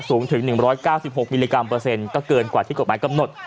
สูงถึงหนึ่งร้อยเก้าสิบหกมิลลิกรัมเปอร์เซ็นต์ก็เกินกว่าที่กฎหมายกำหนด